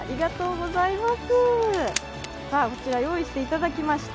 こちら用意していただきました。